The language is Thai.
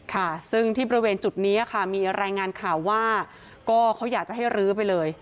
ค่ะซึ่งที่บริเวณจุดนี้ค่ะมีรายงานข่าวว่าก็เขาอยากจะให้รื้อไปเลย